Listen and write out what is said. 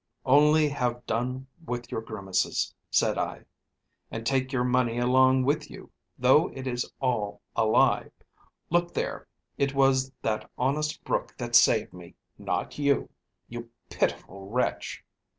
"'Only have done with your grimaces,' said I, 'and take your money along with you, though it is all a lie: look there, it was that honest brook that saved me, not you you pitiful wretch!'